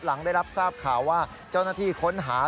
หลังได้รับทราบข่าวว่าเจ้าหน้าที่ค้นหา